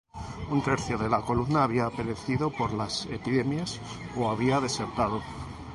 Un tercio de la columna había perecido por las epidemias o había desertado.